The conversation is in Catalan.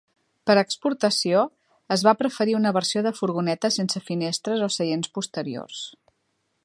Per a exportació, es va preferir una versió de furgoneta sense finestres o seients posteriors.